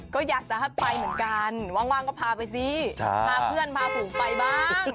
ก็อยากจะให้ไปเหมือนกันว่างก็พาไปสิพาเพื่อนพาผมไปบ้าง